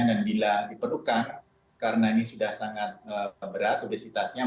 dan bila diperlukan karena ini sudah sangat berat obesitasnya